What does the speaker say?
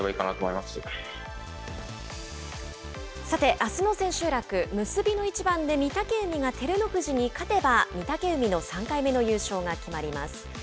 さてあすの千秋楽、結びの一番で御嶽海が照ノ富士に勝てば３回目の優勝が決まります。